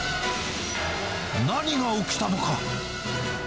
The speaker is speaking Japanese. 何が起きたのか。